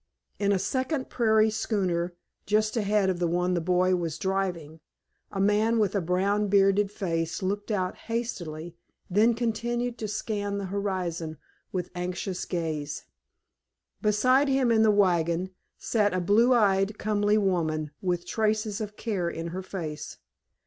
In a second prairie schooner, just ahead of the one the boy was driving, a man with a brown, bearded face looked out hastily, then continued to scan the horizon with anxious gaze. Beside him in the wagon sat a blue eyed, comely woman with traces of care in her face.